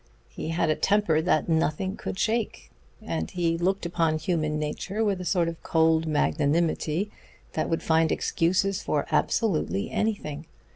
He had a temper that nothing could shake, and he looked upon human nature with a sort of cold magnanimity that would find excuses for absolutely anything.